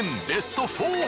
ベスト４！